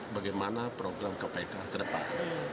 bagaimana program kpk terdapat